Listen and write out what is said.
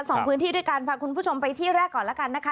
สองพื้นที่ด้วยกันพาคุณผู้ชมไปที่แรกก่อนแล้วกันนะคะ